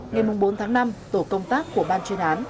ngày bốn tháng năm tổ công tác của ban chuyên án